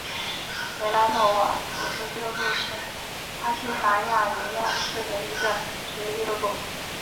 维拉诺瓦足球俱乐部是巴西戈亚尼亚市的一个足球俱乐部。